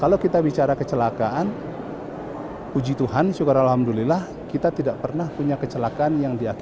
kalau kita bicara kecelakaan puji tuhan syukur alhamdulillah kita tidak pernah punya kecelakaan yang diakui